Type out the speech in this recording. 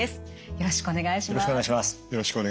よろしくお願いします。